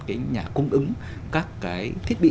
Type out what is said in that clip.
các nhà cung ứng các cái thiết bị